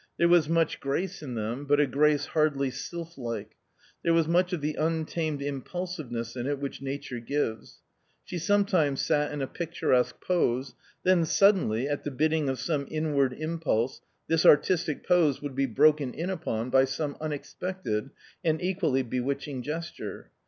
There was much grace in them, but a grace hardly sylph like. There was much of the untamed impulsiveness in it which Nature gives. She sometimes sat in a picturesque pose, then suddenly, at the bidding of some inward impulse, this artistic pose would be broken in upon by some unexpected and equally bewitching gesture.